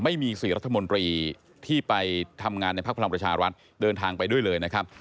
ไม่มี๔รัฐมนตรีที่ไปทำงานในพักพลังประชารัฐเดินทางไปด้วยเลยนะครับ